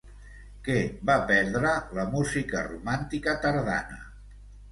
Què va perdre la música romàntica tardana?